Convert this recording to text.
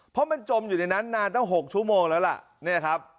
เพราะมันจมอยู่ในนั้นนานตั้ง๖ชั่วโมงแล้วล่ะเนี่ยครับ